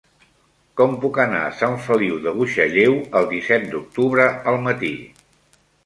Com puc anar a Sant Feliu de Buixalleu el disset d'octubre al matí?